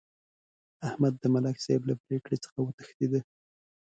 احمد د ملک صاحب له پرېکړې څخه وتښتېدا.